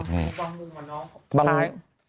บางมุมอ่ะเนาะของชาย